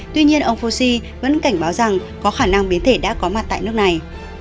tuy nhiên ông fosi vẫn cảnh báo rằng có khả năng biến thể đã có mặt tại nước này